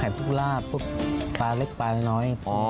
พวกลาบพวกปลาเล็กปลาน้อย